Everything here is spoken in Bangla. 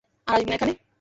আর আসবি না এখানে।